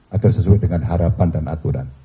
agar sesuai dengan harapan dan aturan